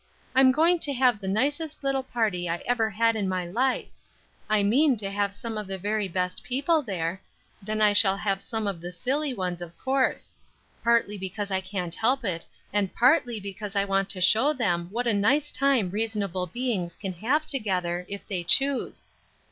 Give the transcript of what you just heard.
I'm going to have the nicest little party I ever had in my life; I mean to have some of the very best people there; then I shall have some of the silly ones, of course; partly because I can't help it, and partly because I want to show them what a nice time reasonable beings can have together, if they choose.